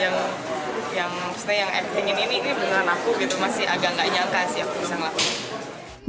yang maksudnya yang acting ini ini beneran aku gitu masih agak gak nyangka sih aku bisa ngelakuin